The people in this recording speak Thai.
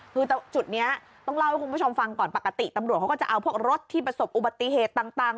คือจุดนี้ต้องเล่าให้คุณผู้ชมฟังก่อนปกติตำรวจเขาก็จะเอาพวกรถที่ประสบอุบัติเหตุต่าง